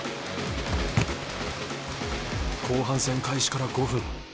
後半戦開始から５分。